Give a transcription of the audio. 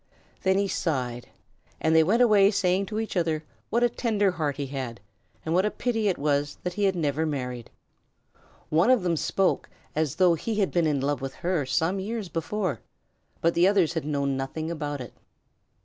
Then he sighed, and they went away saying to each other what a tender heart he had and what a pity it was that he had never married. One of them spoke as though he had been in love with her some years before, but the others had known nothing about it.